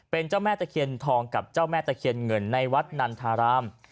เป็นเจ้าแม่ตะเคียนทองกับเจ้าแม่ตะเคียนเงินในวัดนันทาราม